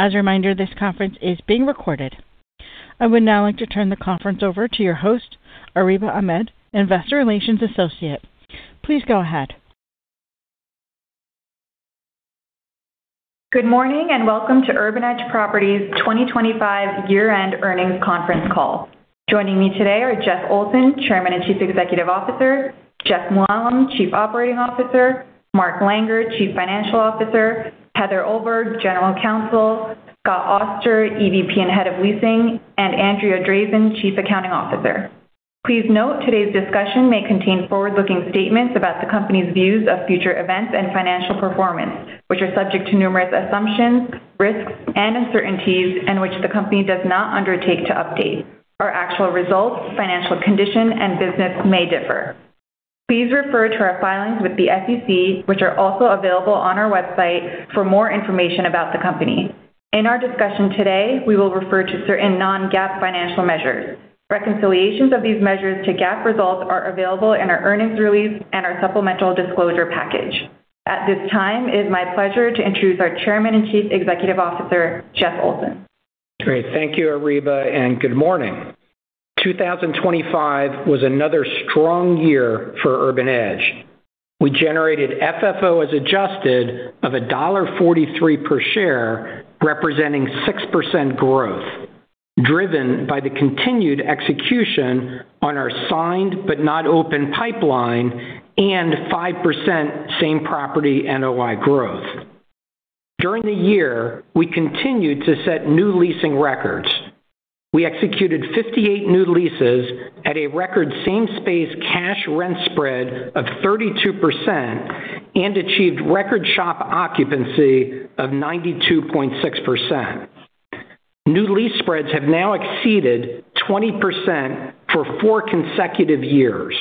As a reminder, this conference is being recorded. I would now like to turn the conference over to your host, Areeba Ahmed, Investor Relations Associate. Please go ahead. Good morning, and welcome to Urban Edge Properties' 2025 year-end earnings conference call. Joining me today are Jeff Olson, Chairman and Chief Executive Officer; Jeff Mooallem, Chief Operating Officer; Mark Langer, Chief Financial Officer; Heather Ohlberg, General Counsel; Scott Auster, EVP and Head of Leasing; and Andrea Drazin, Chief Accounting Officer. Please note, today's discussion may contain forward-looking statements about the company's views of future events and financial performance, which are subject to numerous assumptions, risks, and uncertainties, and which the company does not undertake to update. Our actual results, financial condition, and business may differ. Please refer to our filings with the SEC, which are also available on our website, for more information about the company. In our discussion today, we will refer to certain non-GAAP financial measures. Reconciliations of these measures to GAAP results are available in our earnings release and our supplemental disclosure package. At this time, it is my pleasure to introduce our Chairman and Chief Executive Officer, Jeff Olson. Great. Thank you, Areeba, and good morning. 2025 was another strong year for Urban Edge. We generated FFO as adjusted of $1.43 per share, representing 6% growth, driven by the continued execution on our signed, but not open pipeline, and 5% same-property NOI growth. During the year, we continued to set new leasing records. We executed 58 new leases at a record same-space cash rent spread of 32% and achieved record shop occupancy of 92.6%. New lease spreads have now exceeded 20% for four consecutive years,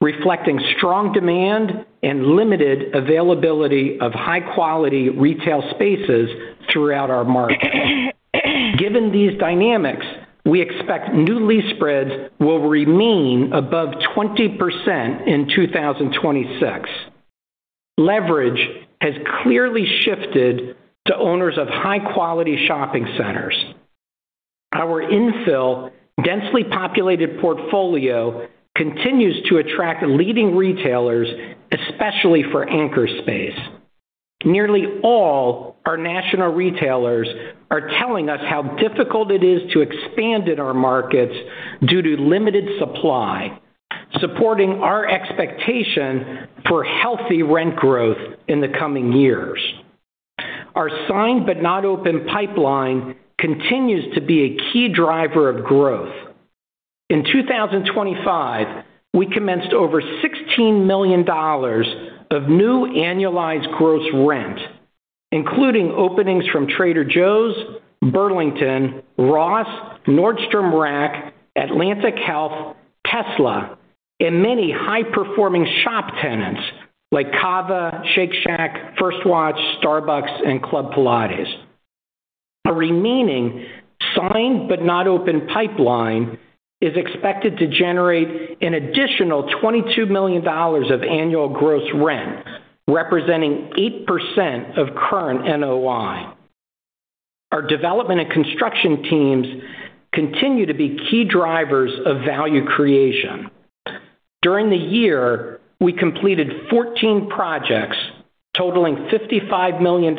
reflecting strong demand and limited availability of high-quality retail spaces throughout our market. Given these dynamics, we expect new lease spreads will remain above 20% in 2026. Leverage has clearly shifted to owners of high-quality shopping centers. Our infill, densely populated portfolio continues to attract leading retailers, especially for anchor space. Nearly all our national retailers are telling us how difficult it is to expand in our markets due to limited supply, supporting our expectation for healthy rent growth in the coming years. Our signed but not open pipeline continues to be a key driver of growth. In 2025, we commenced over $16 million of new annualized gross rent, including openings from Trader Joe's, Burlington, Ross, Nordstrom Rack, Atlantic Health, Tesla, and many high-performing shop tenants like CAVA, Shake Shack, First Watch, Starbucks, and Club Pilates. Our remaining signed but not open pipeline is expected to generate an additional $22 million of annual gross rent, representing 8% of current NOI. Our development and construction teams continue to be key drivers of value creation. During the year, we completed 14 projects totaling $55 million,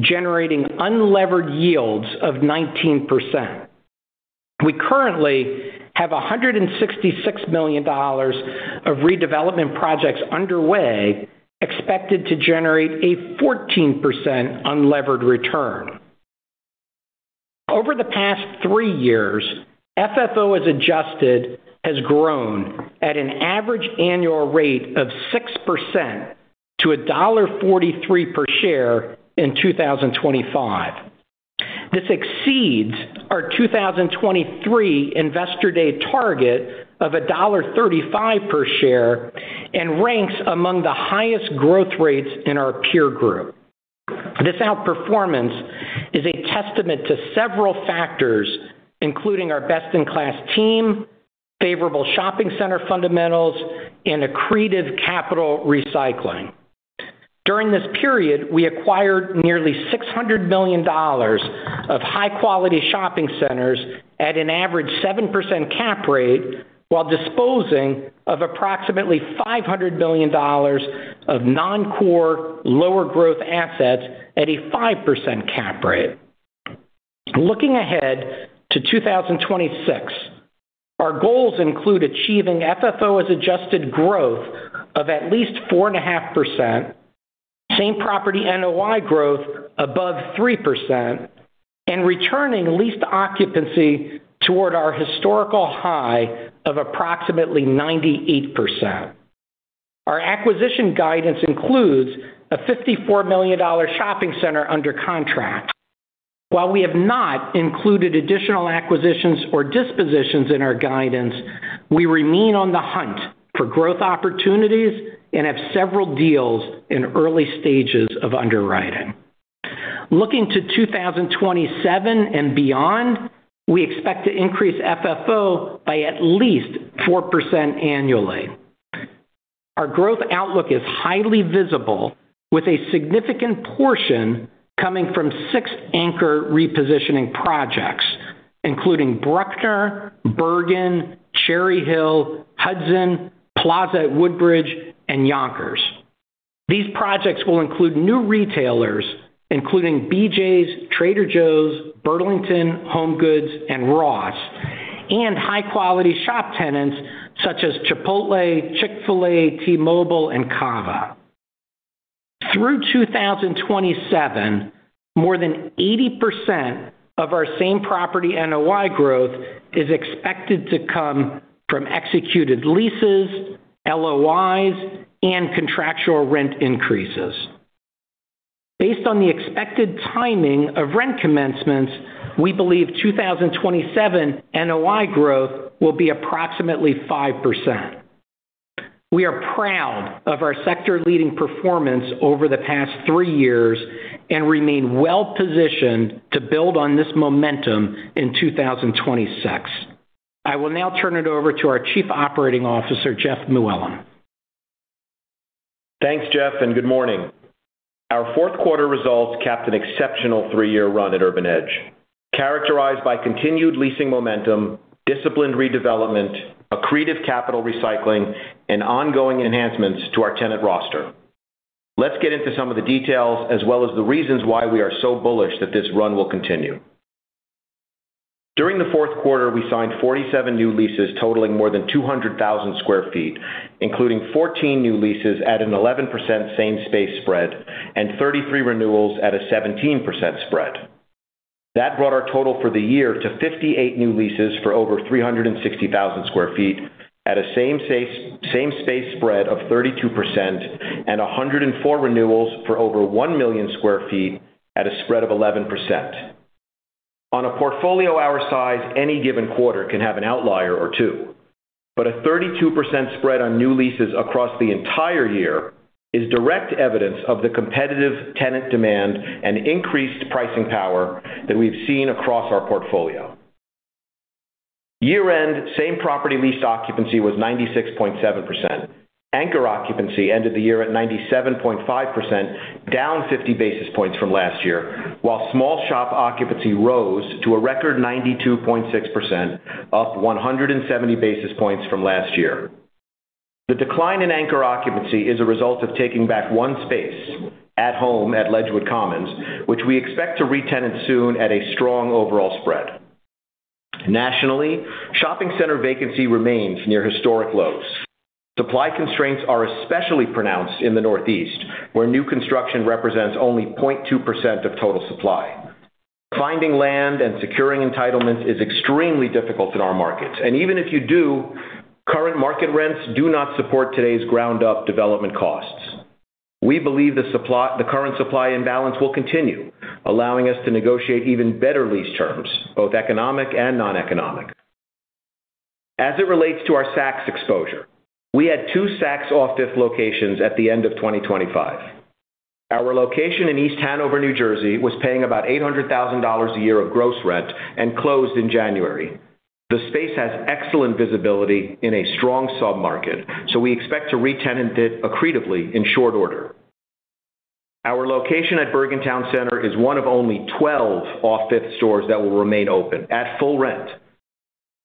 generating unlevered yields of 19%. We currently have $166 million of redevelopment projects underway, expected to generate a 14% unlevered return. Over the past three years, FFO as adjusted has grown at an average annual rate of 6% to $1.43 per share in 2025. This exceeds our 2023 Investor Day target of $1.35 per share and ranks among the highest growth rates in our peer group. This outperformance is a testament to several factors, including our best-in-class team, favorable shopping center fundamentals, and accretive capital recycling. During this period, we acquired nearly $600 million of high-quality shopping centers at an average 7% cap rate, while disposing of approximately $500 million of non-core, lower growth assets at a 5% cap rate. Looking ahead to 2026, our goals include achieving FFO as adjusted growth of at least 4.5%, same-property NOI growth above 3%, and returning leased occupancy toward our historical high of approximately 98%. Our acquisition guidance includes a $54 million shopping center under contract. While we have not included additional acquisitions or dispositions in our guidance, we remain on the hunt for growth opportunities and have several deals in early stages of underwriting. Looking to 2027 and beyond, we expect to increase FFO by at least 4% annually.... Our growth outlook is highly visible, with a significant portion coming from six anchor repositioning projects, including Bruckner, Bergen, Cherry Hill, Hudson, Plaza at Woodbridge, and Yonkers. These projects will include new retailers, including BJ's, Trader Joe's, Burlington, HomeGoods, and Ross, and high-quality shop tenants such as Chipotle, Chick-fil-A, T-Mobile, and CAVA. Through 2027, more than 80% of our same-property NOI growth is expected to come from executed leases, LOIs, and contractual rent increases. Based on the expected timing of rent commencements, we believe 2027 NOI growth will be approximately 5%. We are proud of our sector-leading performance over the past three years and remain well-positioned to build on this momentum in 2026. I will now turn it over to our Chief Operating Officer, Jeff Mooallem. Thanks, Jeff, and good morning. Our fourth quarter results capped an exceptional three-year run at Urban Edge, characterized by continued leasing momentum, disciplined redevelopment, accretive capital recycling, and ongoing enhancements to our tenant roster. Let's get into some of the details, as well as the reasons why we are so bullish that this run will continue. During the fourth quarter, we signed 47 new leases totaling more than 200,000 sq ft, including 14 new leases at an 11% same space spread and 33 renewals at a 17% spread. That brought our total for the year to 58 new leases for over 360,000 sq ft at a same space spread of 32% and 104 renewals for over 1,000,000 sq ft at a spread of 11%. On a portfolio our size, any given quarter can have an outlier or two, but a 32% spread on new leases across the entire year is direct evidence of the competitive tenant demand and increased pricing power that we've seen across our portfolio. Year-end, same-property leased occupancy was 96.7%. Anchor occupancy ended the year at 97.5%, down 50 basis points from last year, while small shop occupancy rose to a record 92.6%, up 170 basis points from last year. The decline in anchor occupancy is a result of taking back one space, At Home, at Ledgewood Commons, which we expect to retenant soon at a strong overall spread. Nationally, shopping center vacancy remains near historic lows. Supply constraints are especially pronounced in the Northeast, where new construction represents only 0.2% of total supply. Finding land and securing entitlements is extremely difficult in our markets, and even if you do, current market rents do not support today's ground-up development costs. We believe the supply, the current supply imbalance will continue, allowing us to negotiate even better lease terms, both economic and noneconomic. As it relates to our Saks OFF 5TH exposure, we had two Saks OFF 5TH locations at the end of 2025. Our location in East Hanover, New Jersey, was paying about $800,000 a year of gross rent and closed in January. The space has excellent visibility in a strong submarket, so we expect to retenant it accretively in short order. Our location at Bergen Town Center is one of only 12 OFF 5TH stores that will remain open at full rent.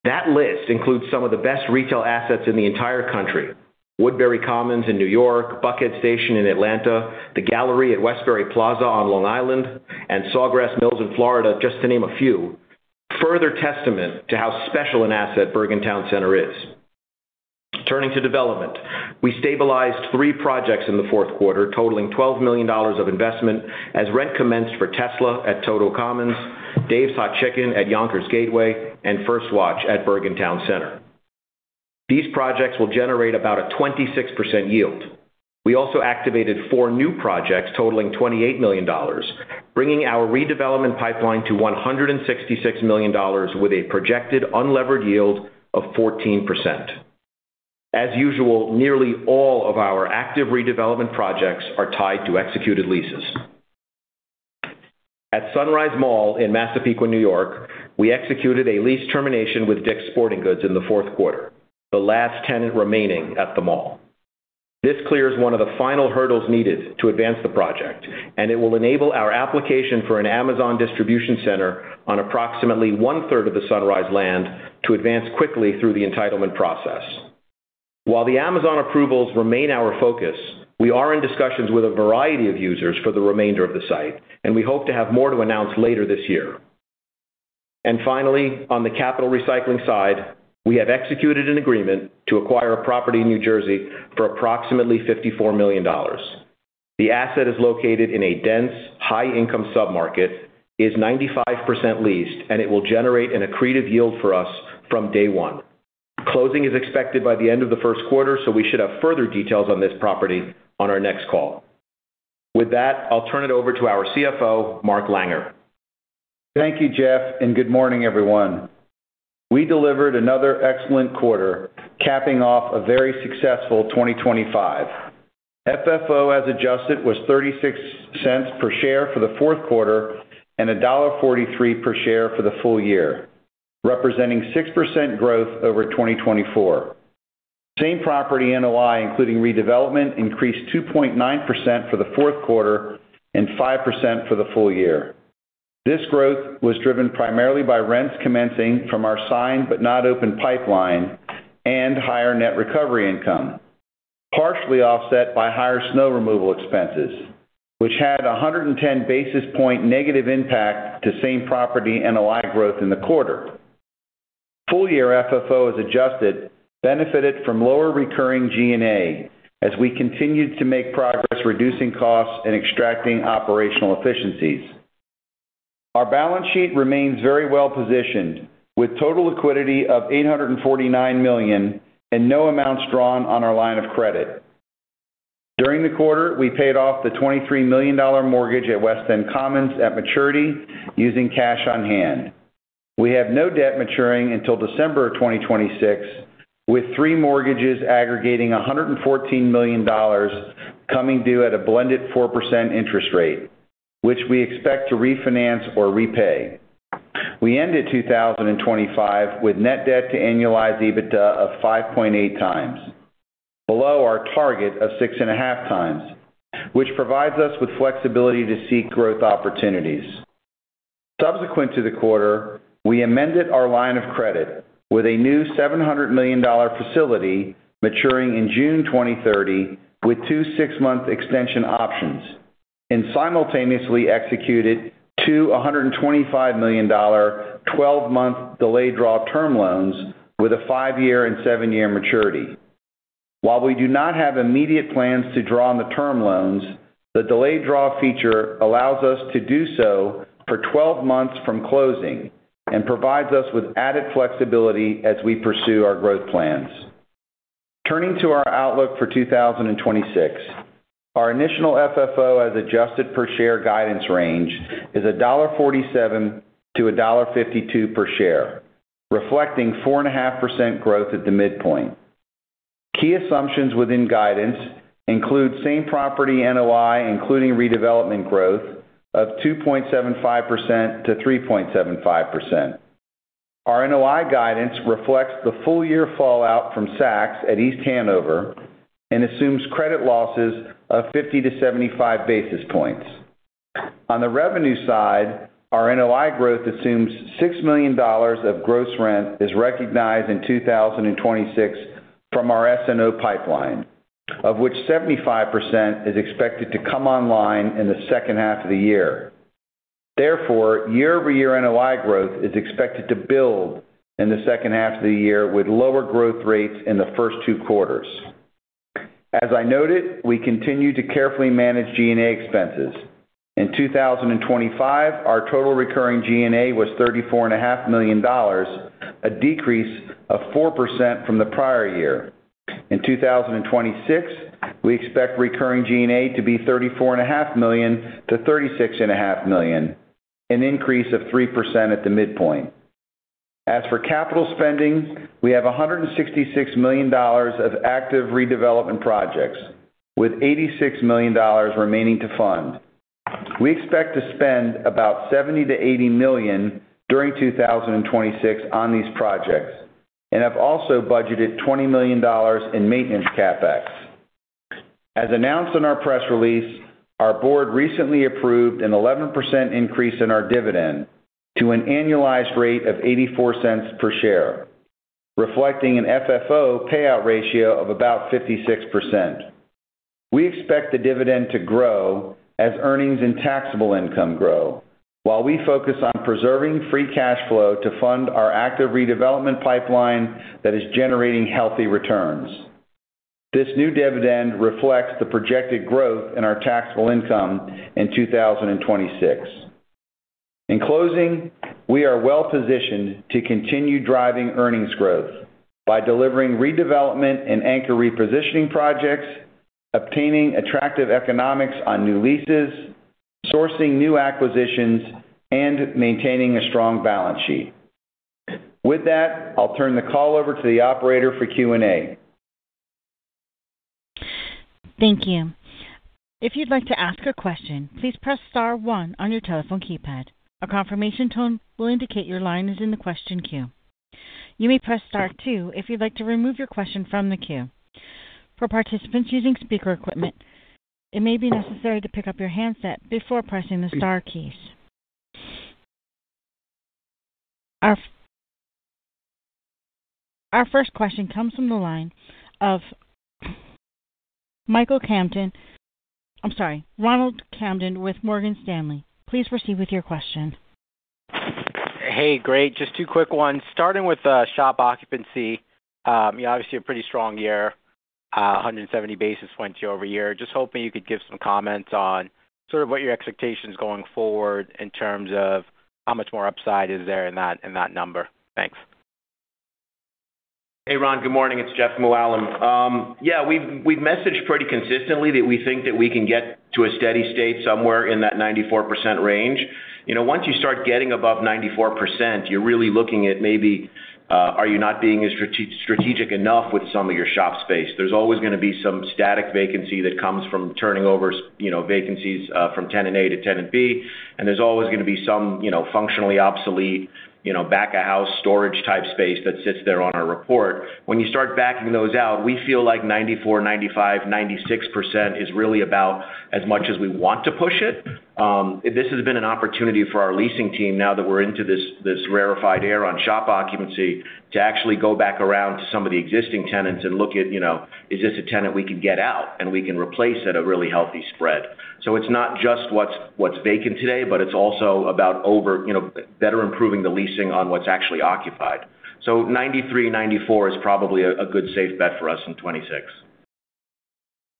That list includes some of the best retail assets in the entire country: Woodbury Common in New York, Buckhead Station in Atlanta, The Gallery at Westbury Plaza on Long Island, and Sawgrass Mills in Florida, just to name a few. Further testament to how special an asset Bergen Town Center is. Turning to development, we stabilized three projects in the fourth quarter, totaling $12 million of investment, as rent commenced for Tesla at Totowa Commons, Dave's Hot Chicken at Yonkers Gateway, and First Watch at Bergen Town Center. These projects will generate about a 26% yield. We also activated four new projects totaling $28 million, bringing our redevelopment pipeline to $166 million, with a projected unlevered yield of 14%. As usual, nearly all of our active redevelopment projects are tied to executed leases. At Sunrise Mall in Massapequa, New York, we executed a lease termination with Dick's Sporting Goods in the fourth quarter, the last tenant remaining at the mall. This clears one of the final hurdles needed to advance the project, and it will enable our application for an Amazon distribution center on approximately one-third of the Sunrise land to advance quickly through the entitlement process. While the Amazon approvals remain our focus, we are in discussions with a variety of users for the remainder of the site, and we hope to have more to announce later this year. Finally, on the capital recycling side, we have executed an agreement to acquire a property in New Jersey for approximately $54 million. The asset is located in a dense, high-income submarket, is 95% leased, and it will generate an accretive yield for us from day one. Closing is expected by the end of the first quarter, so we should have further details on this property on our next call. With that, I'll turn it over to our CFO, Mark Langer. Thank you, Jeff, and good morning, everyone. We delivered another excellent quarter, capping off a very successful 2025. FFO, as adjusted, was $0.36 per share for the fourth quarter and $1.43 per share for the full year, representing 6% growth over 2024. Same-property NOI, including redevelopment, increased 2.9% for the fourth quarter and 5% for the full year. This growth was driven primarily by rents commencing from our signed, but not open pipeline and higher net recovery income, partially offset by higher snow removal expenses, which had a 110 basis point negative impact to same-property NOI growth in the quarter. Full-year FFO, as adjusted, benefited from lower recurring G&A as we continued to make progress, reducing costs and extracting operational efficiencies. Our balance sheet remains very well-positioned, with total liquidity of $849 million and no amounts drawn on our line of credit. During the quarter, we paid off the $23 million mortgage at West End Commons at maturity, using cash on hand. We have no debt maturing until December 2026, with three mortgages aggregating $114 million, coming due at a blended 4% interest rate, which we expect to refinance or repay. We ended 2025 with net debt to annualized EBITDA of 5.8x, below our target of 6.5x, which provides us with flexibility to seek growth opportunities. Subsequent to the quarter, we amended our line of credit with a new $700 million facility maturing in June 2030, with two six month extension options, and simultaneously executed two $125 million 12-month delayed draw term loans with a five year and seven year maturity. While we do not have immediate plans to draw on the term loans, the delayed draw feature allows us to do so for 12 months from closing and provides us with added flexibility as we pursue our growth plans. Turning to our outlook for 2026, our initial FFO, as adjusted per share guidance range, is $1.47-$1.52 per share, reflecting 4.5% growth at the midpoint. Key assumptions within guidance include same-property NOI, including redevelopment growth of 2.75%-3.75%. Our NOI guidance reflects the full year fallout from Saks at East Hanover and assumes credit losses of 50-75 basis points. On the revenue side, our NOI growth assumes $6 million of gross rent is recognized in 2026 from our SNO pipeline, of which 75% is expected to come online in the second half of the year. Therefore, year-over-year NOI growth is expected to build in the second half of the year, with lower growth rates in the first two quarters. As I noted, we continue to carefully manage G&A expenses. In 2025, our total recurring G&A was $34.5 million, a decrease of 4% from the prior year. In 2026, we expect recurring G&A to be $34.5 million-$36.5 million, an increase of 3% at the midpoint. As for capital spending, we have $166 million of active redevelopment projects, with $86 million remaining to fund. We expect to spend about $70 million-$80 million during 2026 on these projects and have also budgeted $20 million in maintenance CapEx. As announced in our press release, our board recently approved an 11% increase in our dividend to an annualized rate of $0.84 per share, reflecting an FFO payout ratio of about 56%. We expect the dividend to grow as earnings and taxable income grow, while we focus on preserving free cash flow to fund our active redevelopment pipeline that is generating healthy returns. This new dividend reflects the projected growth in our taxable income in 2026. In closing, we are well-positioned to continue driving earnings growth by delivering redevelopment and anchor repositioning projects, obtaining attractive economics on new leases, sourcing new acquisitions, and maintaining a strong balance sheet. With that, I'll turn the call over to the operator for Q&A. Thank you. If you'd like to ask a question, please press star one on your telephone keypad. A confirmation tone will indicate your line is in the question queue. You may press star two if you'd like to remove your question from the queue. For participants using speaker equipment, it may be necessary to pick up your handset before pressing the star keys. Our first question comes from the line of Michael Kamdem. I'm sorry, Ronald Kamdem with Morgan Stanley, please proceed with your question. Hey, great. Just two quick ones. Starting with shop occupancy, you know, obviously a pretty strong year, 170 basis points year-over-year. Just hoping you could give some comments on sort of what your expectations going forward in terms of how much more upside is there in that number. Thanks. Hey, Ron, good morning. It's Jeff Mooallem. Yeah, we've messaged pretty consistently that we think that we can get to a steady state somewhere in that 94% range. You know, once you start getting above 94%, you're really looking at maybe- Are you not being as strategic enough with some of your shop space? There's always gonna be some static vacancy that comes from turning over, you know, vacancies from tenant A to tenant B, and there's always gonna be some, you know, functionally obsolete, you know, back-of-house storage type space that sits there on our report. When you start backing those out, we feel like 94%-96% is really about as much as we want to push it. This has been an opportunity for our leasing team, now that we're into this, this rarefied air on shop occupancy, to actually go back around to some of the existing tenants and look at, you know, is this a tenant we can get out, and we can replace at a really healthy spread? So it's not just what's vacant today, but it's also about, you know, better improving the leasing on what's actually occupied. So 93-94 is probably a good safe bet for us in 2026.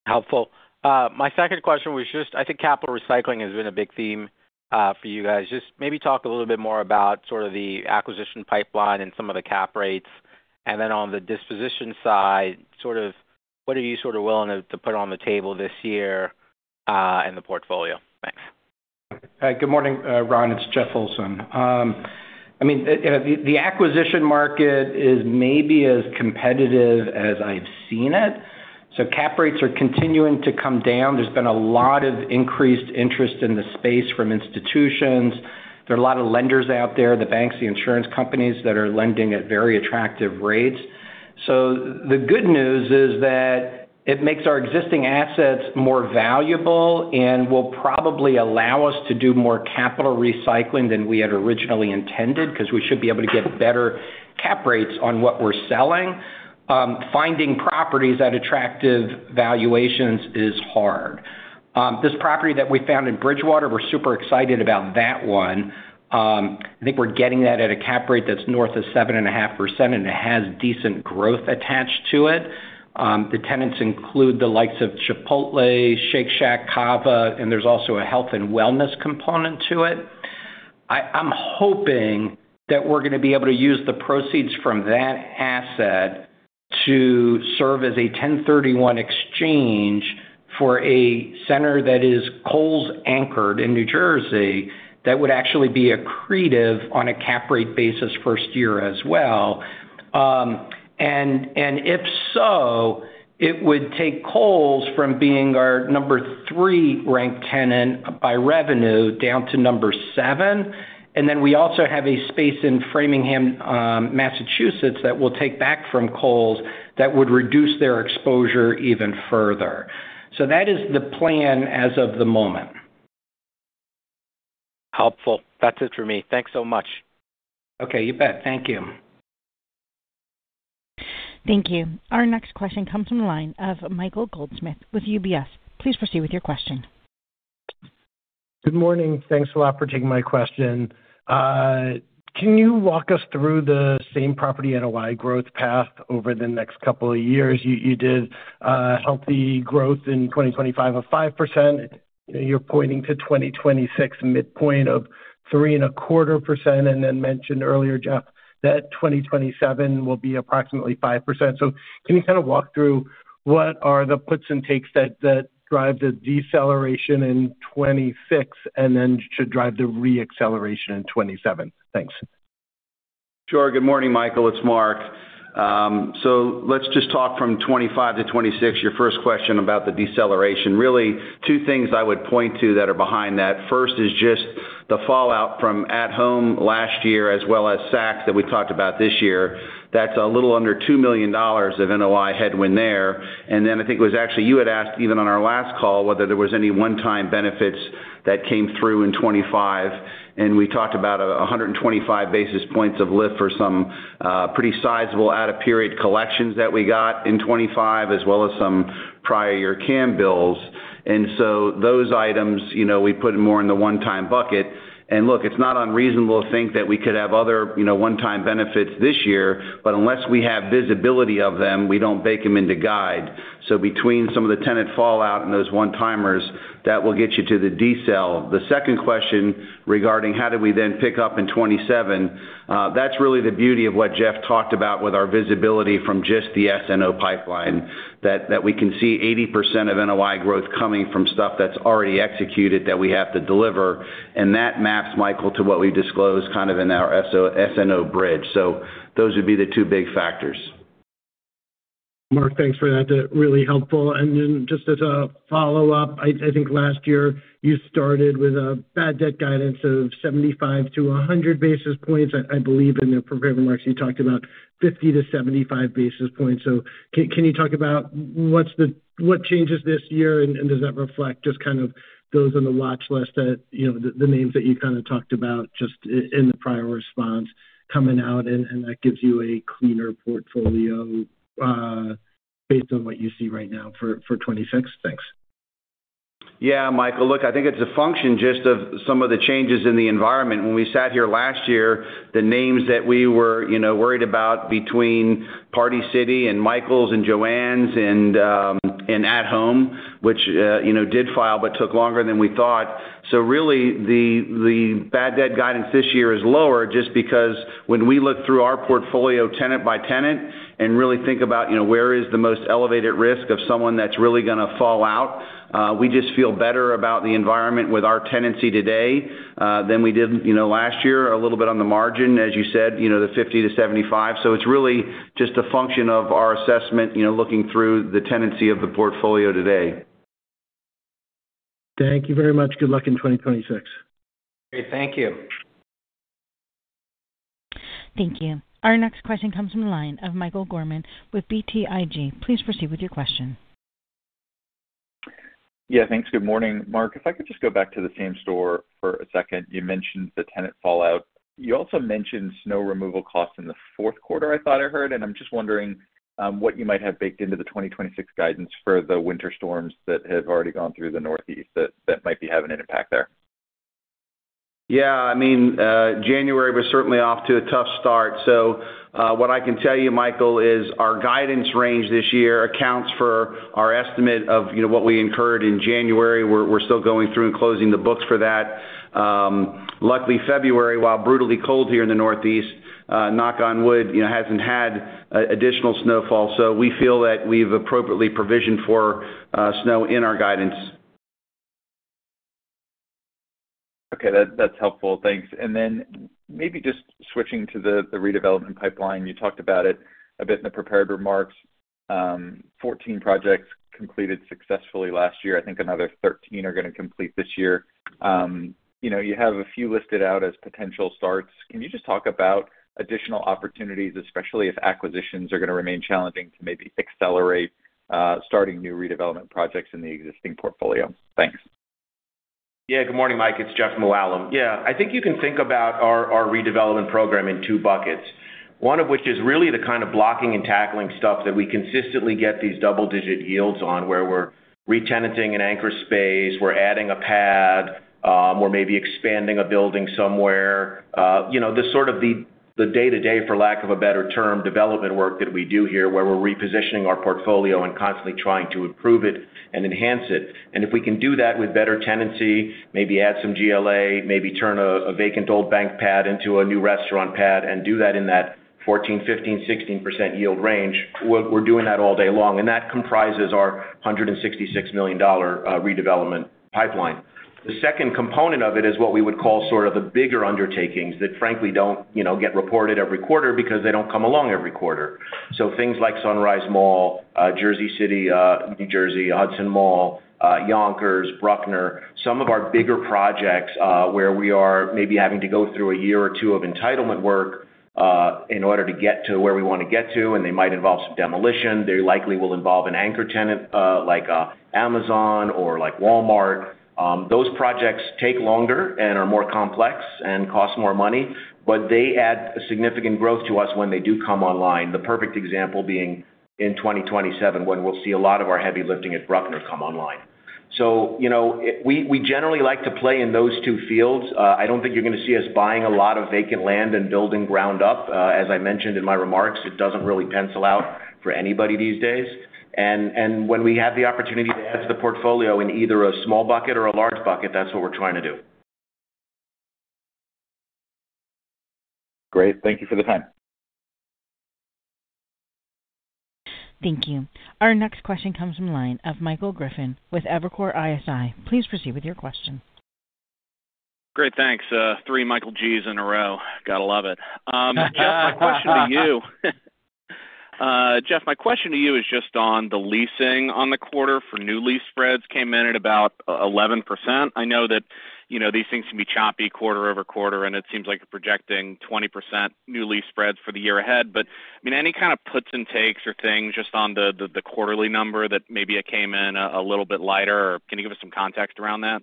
Helpful. My second question was just, I think capital recycling has been a big theme for you guys. Just maybe talk a little bit more about sort of the acquisition pipeline and some of the cap rates. And then on the disposition side, sort of what are you sort of willing to put on the table this year in the portfolio? Thanks. Hi. Good morning, Ron. It's Jeff Olson. I mean, the acquisition market is maybe as competitive as I've seen it, so cap rates are continuing to come down. There's been a lot of increased interest in the space from institutions. There are a lot of lenders out there, the banks, the insurance companies, that are lending at very attractive rates. So the good news is that it makes our existing assets more valuable and will probably allow us to do more capital recycling than we had originally intended, 'cause we should be able to get better cap rates on what we're selling. Finding properties at attractive valuations is hard. This property that we found in Bridgewater, we're super excited about that one. I think we're getting that at a cap rate that's north of 7.5%, and it has decent growth attached to it. The tenants include the likes of Chipotle, Shake Shack, CAVA, and there's also a health and wellness component to it. I'm hoping that we're gonna be able to use the proceeds from that asset to serve as a 1031 exchange for a center that is Kohl's-anchored in New Jersey. That would actually be accretive on a cap rate basis first year as well. If so, it would take Kohl's from being our number 3 ranked tenant by revenue down to number 7. Then we also have a space in Framingham, Massachusetts, that we'll take back from Kohl's that would reduce their exposure even further. So that is the plan as of the moment. Helpful. That's it for me. Thanks so much. Okay, you bet. Thank you. Thank you. Our next question comes from the line of Michael Goldsmith with UBS. Please proceed with your question. Good morning. Thanks a lot for taking my question. Can you walk us through the same-property NOI growth path over the next couple of years? You, you did healthy growth in 2025 of 5%. You're pointing to 2026 midpoint of 3.25%, and then mentioned earlier, Jeff, that 2027 will be approximately 5%. So can you kind of walk through what are the puts and takes that, that drive the deceleration in 2026, and then to drive the re-acceleration in 2027? Thanks. Sure. Good morning, Michael. It's Mark. So let's just talk from 25 to 26, your first question about the deceleration. Really, two things I would point to that are behind that. First is just the fallout from At Home last year, as well as Saks, that we talked about this year. That's a little under $2 million of NOI headwind there. And then I think it was actually you had asked, even on our last call, whether there was any one-time benefits that came through in 25, and we talked about 125 basis points of lift for some pretty sizable out-of-period collections that we got in 25, as well as some prior year CAM bills. And so those items, you know, we put more in the one-time bucket. And look, it's not unreasonable to think that we could have other, you know, one-time benefits this year, but unless we have visibility of them, we don't bake them into guide. So between some of the tenant fallout and those one-timers, that will get you to the decel. The second question regarding how do we then pick up in 2027, that's really the beauty of what Jeff talked about with our visibility from just the SNO pipeline. That, that we can see 80% of NOI growth coming from stuff that's already executed, that we have to deliver, and that maps, Michael, to what we disclosed kind of in our SNO bridge. So those would be the two big factors. Mark, thanks for that. That's really helpful. And then, just as a follow-up, I think last year you started with a bad debt guidance of 75-100 basis points. I believe in the prepared remarks you talked about 50-75 basis points. So can you talk about what changes this year, and does that reflect just kind of those on the watch list that, you know, the names that you kind of talked about just in the prior response coming out, and that gives you a cleaner portfolio, based on what you see right now for 2026? Thanks. Yeah, Michael, look, I think it's a function just of some of the changes in the environment. When we sat here last year, the names that we were, you know, worried about between Party City and Michaels and Joann's and At Home, which, you know, did file, but took longer than we thought. So really, the bad debt guidance this year is lower just because when we look through our portfolio tenant by tenant and really think about, you know, where is the most elevated risk of someone that's really going to fall out, we just feel better about the environment with our tenancy today than we did, you know, last year. A little bit on the margin, as you said, you know, the $50-$75. It's really just a function of our assessment, you know, looking through the tenancy of the portfolio today. Thank you very much. Good luck in 2026. Great. Thank you. Thank you. Our next question comes from the line of Michael Gorman with BTIG. Please proceed with your question. Yeah, thanks. Good morning, Mark. If I could just go back to the same store for a second. You mentioned the tenant fallout. You also mentioned snow removal costs in the fourth quarter, I thought I heard, and I'm just wondering what you might have baked into the 2026 guidance for the winter storms that have already gone through the Northeast that might be having an impact there. Yeah, I mean, January was certainly off to a tough start. So, what I can tell you, Michael, is our guidance range this year accounts for our estimate of, you know, what we incurred in January. We're still going through and closing the books for that. Luckily, February, while brutally cold here in the Northeast, knock on wood, you know, hasn't had additional snowfall. So we feel that we've appropriately provisioned for snow in our guidance. Okay, that's helpful. Thanks. And then maybe just switching to the redevelopment pipeline. You talked about it a bit in the prepared remarks. 14 projects completed successfully last year. I think another 13 are going to complete this year. You know, you have a few listed out as potential starts. Can you just talk about additional opportunities, especially if acquisitions are going to remain challenging to maybe accelerate starting new redevelopment projects in the existing portfolio? Thanks. Yeah. Good morning, Mike. It's Jeffrey Mooallem. Yeah, I think you can think about our, our redevelopment program in two buckets. One of which is really the kind of blocking and tackling stuff that we consistently get these double-digit yields on, where we're retenanting an anchor space, we're adding a pad, we're maybe expanding a building somewhere. You know, the sort of the, the day-to-day, for lack of a better term, development work that we do here, where we're repositioning our portfolio and constantly trying to improve it and enhance it. And if we can do that with better tenancy, maybe add some GLA, maybe turn a, a vacant old bank pad into a new restaurant pad and do that in that 14%-16% yield range, we're, we're doing that all day long, and that comprises our $166 million redevelopment pipeline. The second component of it is what we would call sort of the bigger undertakings that frankly don't, you know, get reported every quarter because they don't come along every quarter. So things like Sunrise Mall, Jersey City, New Jersey, Hudson Mall, Yonkers, Bruckner. Some of our bigger projects, where we are maybe having to go through a year or two of entitlement work, in order to get to where we want to get to, and they might involve some demolition. They likely will involve an anchor tenant, like a Amazon or like Walmart. Those projects take longer and are more complex and cost more money, but they add significant growth to us when they do come online. The perfect example being in 2027, when we'll see a lot of our heavy lifting at Bruckner come online. You know, we generally like to play in those two fields. I don't think you're going to see us buying a lot of vacant land and building ground up. As I mentioned in my remarks, it doesn't really pencil out for anybody these days. When we have the opportunity to add to the portfolio in either a small bucket or a large bucket, that's what we're trying to do. Great. Thank you for the time. Thank you. Our next question comes from the line of Michael Griffin with Evercore ISI. Please proceed with your question. Great, thanks. Three Michael G's in a row. Gotta love it. Jeff, my question to you, Jeff, my question to you is just on the leasing on the quarter for new lease spreads came in at about, 11%. I know that, you know, these things can be choppy quarter-over-quarter, and it seems like you're projecting 20% new lease spreads for the year ahead. But, I mean, any kind of puts and takes or things just on the quarterly number that maybe it came in a little bit lighter, or can you give us some context around that?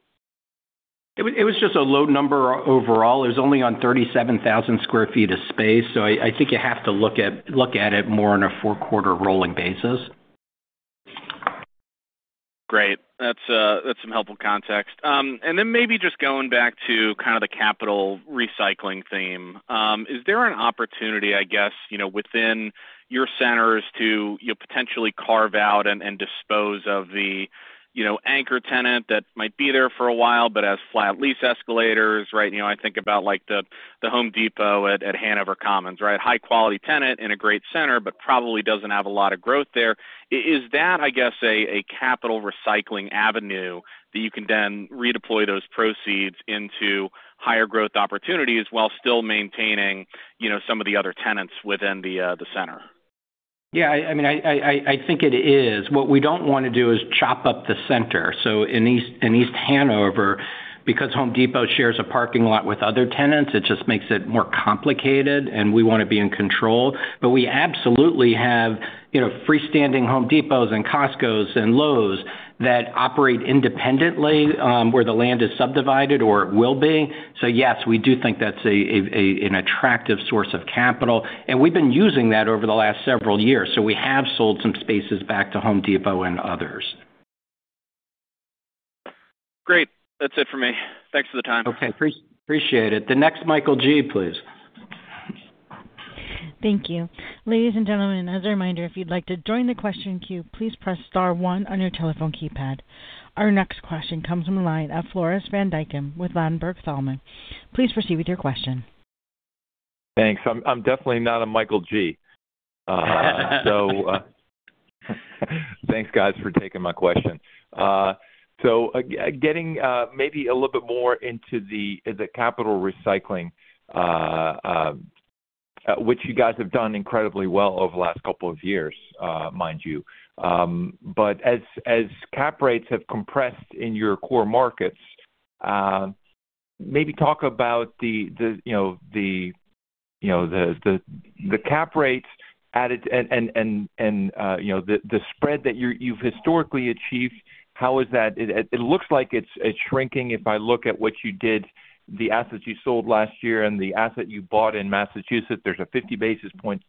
It was just a low number overall. It was only on 37,000 sq ft of space, so I think you have to look at it more on a four-quarter rolling basis. Great. That's, that's some helpful context. And then maybe just going back to kind of the capital recycling theme. Is there an opportunity, I guess, you know, within your centers to you potentially carve out and dispose of the, you know, anchor tenant that might be there for a while, but as flat lease escalators, right? You know, I think about like the Home Depot at Hanover Commons, right? High quality tenant in a great center, but probably doesn't have a lot of growth there. Is that, I guess, a capital recycling avenue that you can then redeploy those proceeds into higher growth opportunities while still maintaining, you know, some of the other tenants within the center? Yeah, I mean, I think it is. What we don't want to do is chop up the center. So in East Hanover, because Home Depot shares a parking lot with other tenants, it just makes it more complicated, and we want to be in control. But we absolutely have, you know, freestanding Home Depots and Costcos and Lowe's that operate independently, where the land is subdivided or it will be. So yes, we do think that's an attractive source of capital, and we've been using that over the last several years. So we have sold some spaces back to Home Depot and others. Great. That's it for me. Thanks for the time. Okay, appreciate it. The next Michael G, please.... Thank you. Ladies and gentlemen, as a reminder, if you'd like to join the question queue, please press star one on your telephone keypad. Our next question comes from the line of Floris van Dijkum with Ladenburg Thalmann. Please proceed with your question. Thanks. I'm definitely not a Michael G. So, thanks, guys, for taking my question. So, getting maybe a little bit more into the capital recycling, which you guys have done incredibly well over the last couple of years, mind you. But as cap rates have compressed in your core markets, maybe talk about the cap rates added and the spread that you've historically achieved, how is that? It looks like it's shrinking. If I look at what you did, the assets you sold last year and the asset you bought in Massachusetts, there's a 50 basis point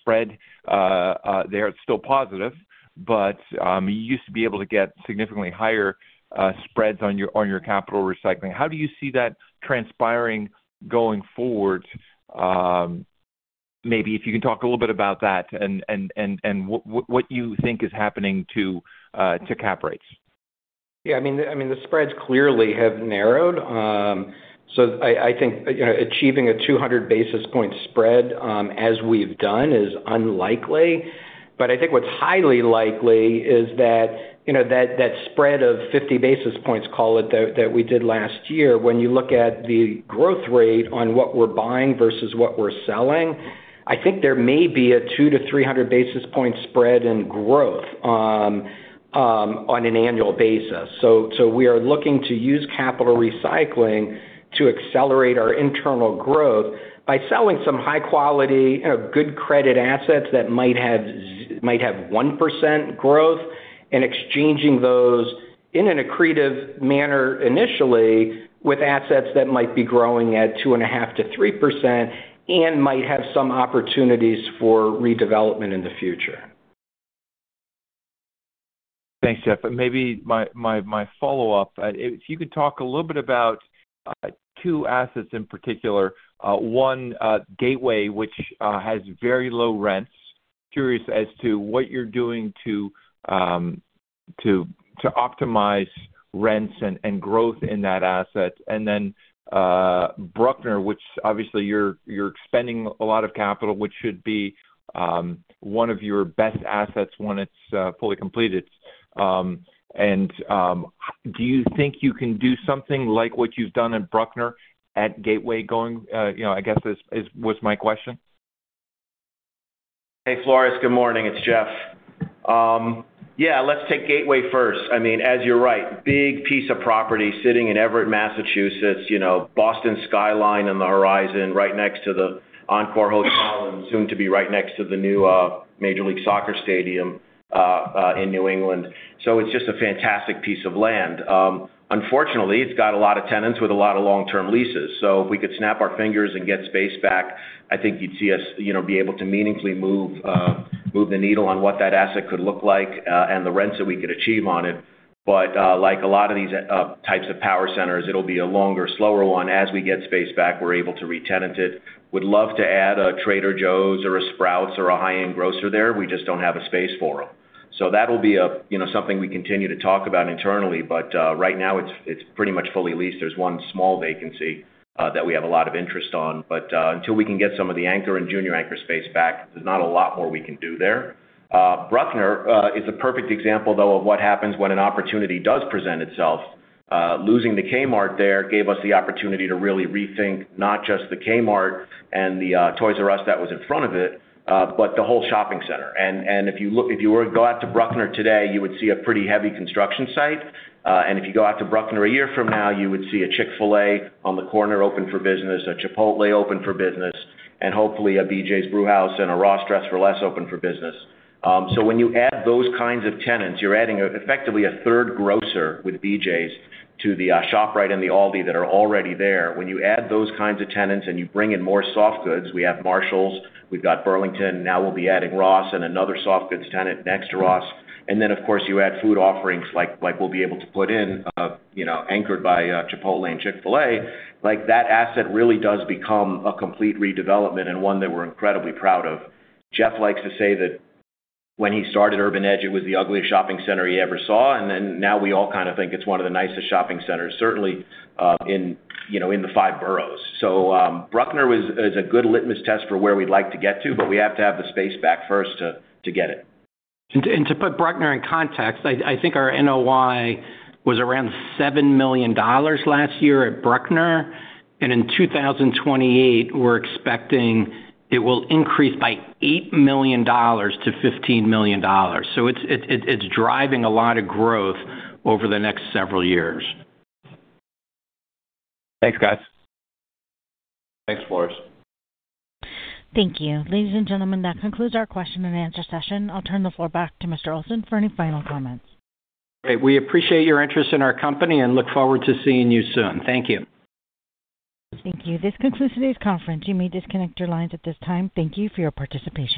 spread there. It's still positive, but you used to be able to get significantly higher spreads on your capital recycling. How do you see that transpiring going forward? Maybe if you can talk a little bit about that and what you think is happening to cap rates. Yeah, I mean, I mean, the spreads clearly have narrowed. So I, I think, you know, achieving a 200 basis point spread, as we've done, is unlikely. But I think what's highly likely is that, you know, that, that spread of 50 basis points, call it, that, that we did last year, when you look at the growth rate on what we're buying versus what we're selling, I think there may be a 200-300 basis point spread in growth, on an annual basis. So, we are looking to use capital recycling to accelerate our internal growth by selling some high quality, you know, good credit assets that might have 1% growth, and exchanging those in an accretive manner, initially, with assets that might be growing at 2.5%-3% and might have some opportunities for redevelopment in the future. Thanks, Jeff. But maybe my follow-up, if you could talk a little bit about two assets in particular. One, Gateway, which has very low rents. Curious as to what you're doing to optimize rents and growth in that asset. And then, Bruckner, which obviously you're expending a lot of capital, which should be one of your best assets when it's fully completed. And do you think you can do something like what you've done at Bruckner, at Gateway going, you know, I guess was my question. Hey, Floris, good morning, it's Jeff. Yeah, let's take Gateway first. I mean, as you're right, big piece of property sitting in Everett, Massachusetts, you know, Boston skyline on the horizon, right next to the Encore Hotel, and soon to be right next to the new, Major League Soccer stadium, in New England. So it's just a fantastic piece of land. Unfortunately, it's got a lot of tenants with a lot of long-term leases. So if we could snap our fingers and get space back, I think you'd see us, you know, be able to meaningfully move the needle on what that asset could look like, and the rents that we could achieve on it. But, like a lot of these, types of power centers, it'll be a longer, slower one. As we get space back, we're able to retenant it. Would love to add a Trader Joe's or a Sprouts or a high-end grocer there. We just don't have a space for them. So that'll be a, you know, something we continue to talk about internally, but right now it's pretty much fully leased. There's one small vacancy that we have a lot of interest on, but until we can get some of the anchor and junior anchor space back, there's not a lot more we can do there. Bruckner is a perfect example, though, of what happens when an opportunity does present itself. Losing the Kmart there gave us the opportunity to really rethink not just the Kmart and the Toys "R" Us that was in front of it, but the whole shopping center. If you were to go out to Bruckner today, you would see a pretty heavy construction site. And if you go out to Bruckner a year from now, you would see a Chick-fil-A on the corner open for business, a Chipotle open for business, and hopefully a BJ's Brewhouse and a Ross Dress for Less open for business. So when you add those kinds of tenants, you're adding effectively a third grocer with BJ's to the ShopRite and the Aldi that are already there. When you add those kinds of tenants and you bring in more soft goods, we have Marshalls, we've got Burlington. Now we'll be adding Ross and another soft goods tenant next to Ross. And then, of course, you add food offerings like we'll be able to put in, you know, anchored by Chipotle and Chick-fil-A, like, that asset really does become a complete redevelopment and one that we're incredibly proud of. Jeff likes to say that when he started Urban Edge, it was the ugliest shopping center he ever saw, and then now we all kind of think it's one of the nicest shopping centers, certainly in, you know, in the five boroughs. So, Bruckner is a good litmus test for where we'd like to get to, but we have to have the space back first to get it. To put Bruckner in context, I think our NOI was around $7 million last year at Bruckner, and in 2028, we're expecting it will increase by $8 million to $15 million. So it's driving a lot of growth over the next several years. Thanks, guys. Thanks, Floris. Thank you. Ladies and gentlemen, that concludes our question and answer session. I'll turn the floor back to Mr. Olson for any final comments. Great, we appreciate your interest in our company and look forward to seeing you soon. Thank you. Thank you. This concludes today's conference. You may disconnect your lines at this time. Thank you for your participation.